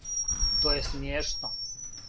То је смијешно.